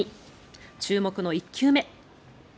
注目の１球目。